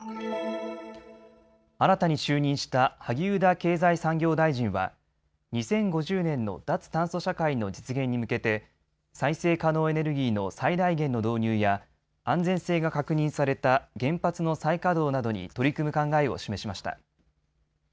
新たに就任した萩生田経済産業大臣は２０５０年の脱炭素社会の実現に向けて再生可能エネルギーの最大限の導入や安全性が確認された原発の再稼働などに取り組む考えを示しました。